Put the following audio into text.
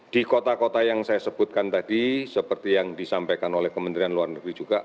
di kota kota yang saya sebutkan tadi seperti yang disampaikan oleh kementerian luar negeri juga